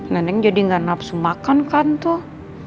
nenek jadi gak nafsu makan kan tuh